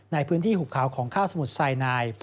ในพื้นที่หุบขาวของข้าวสมุทรไซนาย